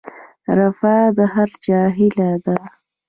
رفاه د هر چا هیله ده